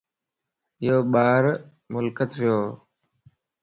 يو ٻار ملڪت ويووَ